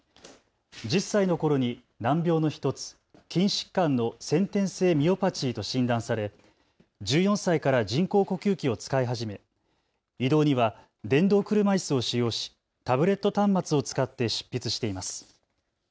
１０歳のころに難病の１つ、筋疾患の先天性ミオパチーと診断され１４歳から人工呼吸器を使い始め移動には電動車いすを使用しタブレット端末を使って執筆しています。